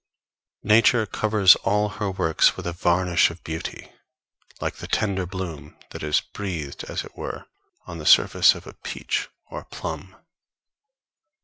Nature covers all her works with a varnish of beauty, like the tender bloom that is breathed, as it were, on the surface of a peach or a plum.